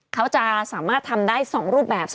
เขาจะสามารถทำได้๒รูปแบบ